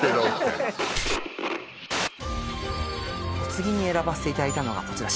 次に選ばせていただいたのがこちら